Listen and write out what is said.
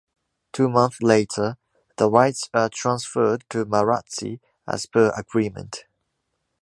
Two month later the rights are transferred to Marazzi as per agreement.